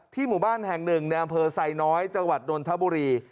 ที่หมู่บ้านแห่ง๑ในอำเภอไซน้อยจังหวัดดนทบุรี